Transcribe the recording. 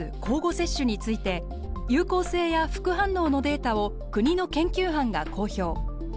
交互接種について有効性や副反応のデータを国の研究班が公表。